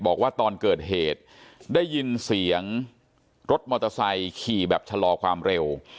บอกว่าตอนเกิดเหตุได้ยินเสียงรถมอเตอร์ไซค์ขี่แบบชะลอความเร็ว